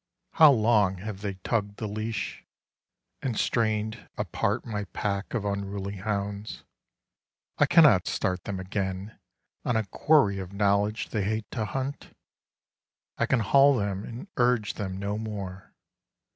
How long have they tugged the leash, and strained apart My pack of unruly hounds: I cannot start Them again on a quarry of knowledge they hate to hunt, I can haul them and urge them no more.